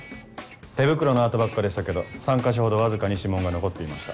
手袋の跡ばっかでしたけど３か所ほどわずかに指紋が残っていました。